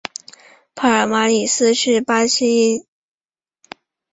帕尔马里斯是巴西伯南布哥州的一个市镇。